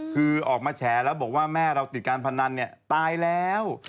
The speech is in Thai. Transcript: คือออกมาแฉแล้วบอกว่าแม่เราติดการพนันเนี่ยตายแล้ว